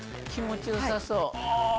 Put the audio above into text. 気持ち良さそう。